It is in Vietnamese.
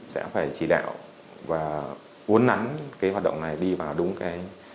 sẽ phải chỉ đạo và uốn nắn cái hoạt động này đi vào đúng cái